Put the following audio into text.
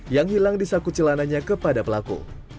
yang hilang di saku celananya kepada pelaku